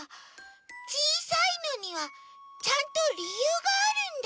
ちいさいのにはちゃんとりゆうがあるんだ。